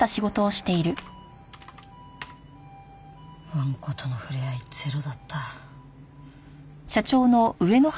わんことのふれあいゼロだった。